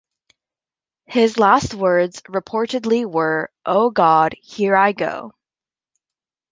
His last words reportedly were, Oh God, here I go.